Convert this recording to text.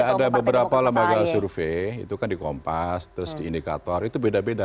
ya ada beberapa lembaga survei itu kan di kompas terus di indikator itu beda beda